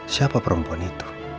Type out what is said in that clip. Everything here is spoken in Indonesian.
siapa perempuan itu